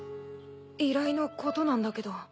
依頼のことなんだけど。